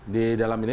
di dalam ini